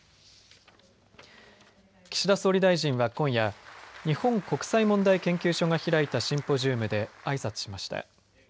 岸田総理大臣は今夜日本国際問題研究所が開いたシンポジウムであいさつしました。